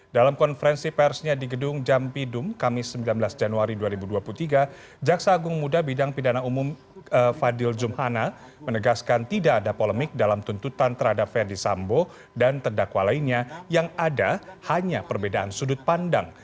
dalam konferensi persnya di gedung jampidum kamis sembilan belas januari dua ribu dua puluh tiga jaksa agung muda bidang pidana umum fadil jumhana menegaskan tidak ada polemik dalam tuntutan terhadap verdi sambo dan terdakwa lainnya yang ada hanya perbedaan sudut pandang